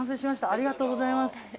ありがとうございます。